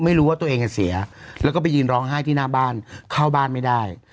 ไม่รู้ว่าตัวเองจะเสียแล้วก็ไปยืนร้องไห้ที่หน้าบ้านเข้าบ้านไม่ได้